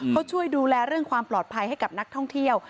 เขาช่วยดูแลเรื่องความปลอดภัยให้กับนักท่องเที่ยว